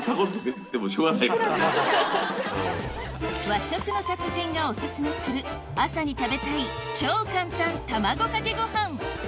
和食の達人がオススメする朝に食べたい超簡単卵かけご飯